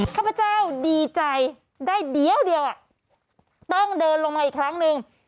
ข้าพเจ้าดีใจได้เดี๋ยวต้องเดินลงมาอีกครั้งหนึ่ง